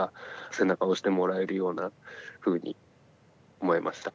背中を押してもらえるようなふうに思えました。